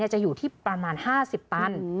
จะอยู่ที่ประมาณ๕๐ตัน